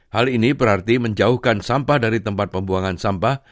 hal ini berarti menjauhkan sampah dari tempat pembuangan sampah